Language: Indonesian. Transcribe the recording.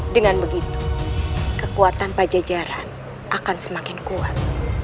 dengan begitu kekuatan pajajaran akan semakin kuat